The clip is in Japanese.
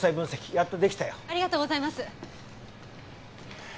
ありがとうございます。